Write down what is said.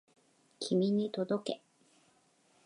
君に届け